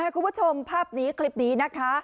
คุณผู้ชมภาพนี้คลิปนี้นะคะ